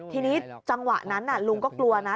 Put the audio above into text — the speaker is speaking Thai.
ทีนี้จังหวะนั้นลุงก็กลัวนะ